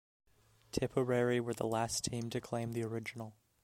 Tipperary were the last team to claim the original.